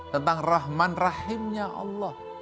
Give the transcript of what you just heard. tentang rahman rahimnya allah